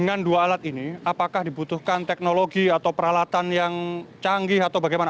apakah dibutuhkan teknologi atau peralatan yang canggih atau bagaimana